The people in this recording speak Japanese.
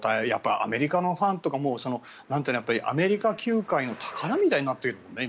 アメリカのファンとかもアメリカ球界の宝みたいになっているもんね、今。